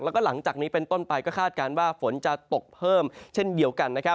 แล้วก็หลังจากนี้เป็นต้นไปก็คาดการณ์ว่าฝนจะตกเพิ่มเช่นเดียวกัน